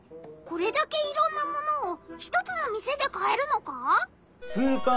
これだけいろんな物を１つの店で買えるのか？